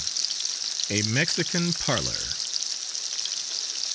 A MEXICAN PARLOR.